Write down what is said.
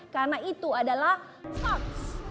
karena itu adalah vax